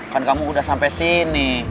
kan kamu udah sampai sini